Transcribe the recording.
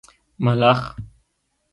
🦗 ملخ